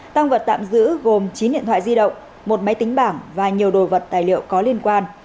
tăng vật tạm giữ gồm chín điện thoại di động một máy tính bảng và nhiều đồ vật tài liệu có liên quan